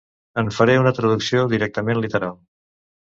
En faré una traducció directament literal.